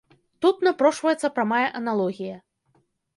Тут напрошваецца прамая аналогія.